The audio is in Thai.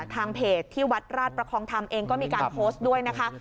ทางเพจที่วัดราชประคองธรรมเองก็มีการโพสต์ด้วยนะคะ